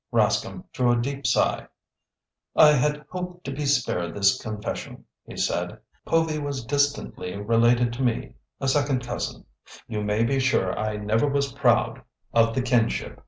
Rascomb drew a deep sigh. "I had hoped to be spared this confession," he said. "Povy was distantly related to me—a second cousin. You may be sure I never was proud of the kinship.